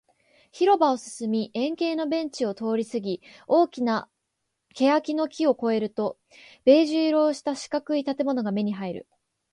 広場を進み、円形のベンチを通りすぎ、大きな欅の木を越えると、ベージュ色をした四角い建物が目に入る